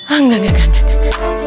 enggak enggak enggak